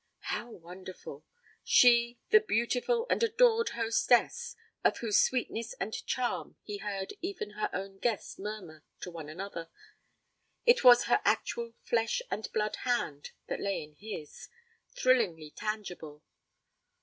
How wonderful! She the beautiful and adored hostess, of whose sweetness and charm he heard even her own guests murmur to one another it was her actual flesh and blood hand that lay in his thrillingly tangible.